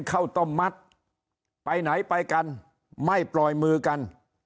ข้าวต้มมัดไปไหนไปกันไม่ปล่อยมือกัน